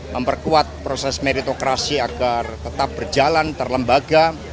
memperkuat proses meritokrasi agar tetap berjalan terlembaga